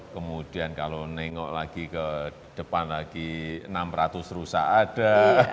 kemudian kalau nengok lagi ke depan lagi enam ratus rusak ada